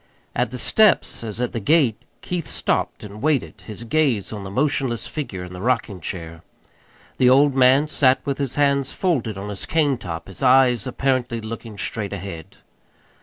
At the steps, as at the gate, Keith stopped and waited, his gaze on the motionless figure in the rocking chair. The old man sat with hands folded on his cane top, his eyes apparently looking straight ahead.